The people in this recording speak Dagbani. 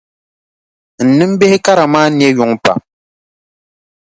N nimbihi kara maa ne yuŋ pam.